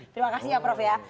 terima kasih ya prof ya